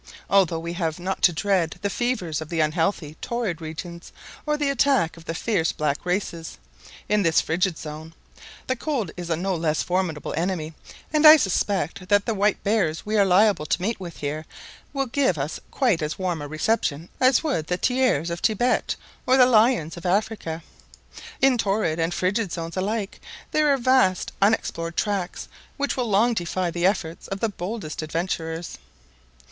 Although we have not to dread the fevers of the unhealthy torrid regions, or the attacks of the fierce black races, in this Frigid Zone, the cold is a no less formidable enemy; and I suspect that the white bears we are liable to meet with here will give us quite as warm a reception as would the tigers of Thibet or the lions of Africa. In Torrid and Frigid Zones alike there are vast unexplored tracts which will long defy the efforts of the boldest adventurers."